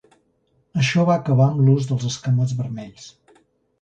Això va acabar amb l'ús dels escamots vermells.